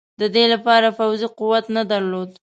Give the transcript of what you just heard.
د دې لپاره پوځي قوت نه درلود.